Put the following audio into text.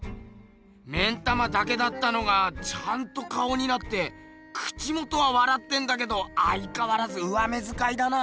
目ん玉だけだったのがちゃんと顔になって口元はわらってんだけどあいかわらず上目づかいだな。